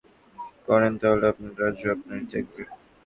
যদি আপনি ইসলাম ধর্ম গ্রহণ করেন তাহলে আপনার রাজ্য আপনারই থাকবে।